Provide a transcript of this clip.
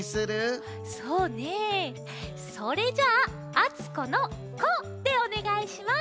そうねそれじゃああつこの「こ」でおねがいします。